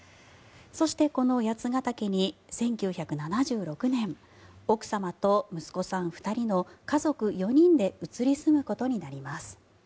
そして、この八ケ岳に１９７６年奥様と息子さん２人の家族４人で移り住むことになります。